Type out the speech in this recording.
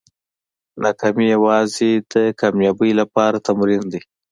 ناکامي یوازې د کامیابۍ لپاره تمرین دی.